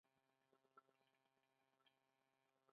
سوالګر له اړتیا سره سوال ته مجبوریږي